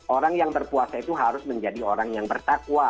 orang yang berpuasa itu harus menjadi orang yang bertakwa